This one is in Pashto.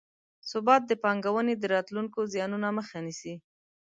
ثبات د پانګونې د راتلونکو زیانونو مخه نیسي.